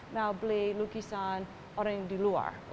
mau beli lukisan orang di luar